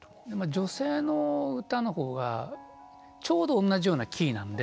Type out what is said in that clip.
女性の歌の方がちょうど同じようなキーなんで。